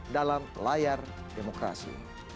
dalam layar demokrasi